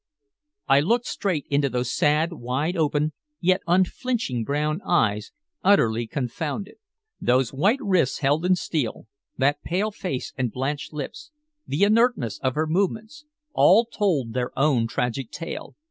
I looked straight into those sad, wide open, yet unflinching brown eyes utterly confounded. Those white wrists held in steel, that pale face and blanched lips, the inertness of her movements, all told their own tragic tale.